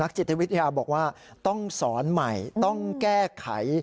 จิตวิทยาบอกว่าต้องสอนใหม่ต้องแก้ไข